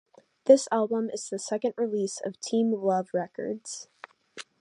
This album is the second release of Team Love Records.